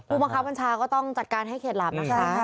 ผู้บังคับเป็นชาวก็ต้องจัดการให้เขตหลับนะครับ